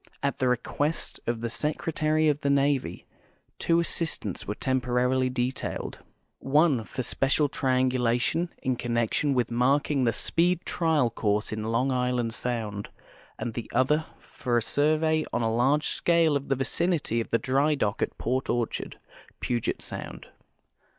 At the request of the Secretary of the Navy two assistants were temporarily detailed, one for special triangulation in connection with GEOGRAPHIC LITERATURE 187 marking the speed trial course in Long Island sound, and the other for a survey on a large scale of the vicinity of the dry dock at Port Orchard, Puget sound.